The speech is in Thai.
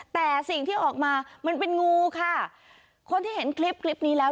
แต่สิ่งที่ออกมามันเป็นงูค่ะคนที่เห็นคลิปคลิปนี้แล้ว